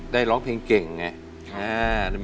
ร้องเพลงเก่งไง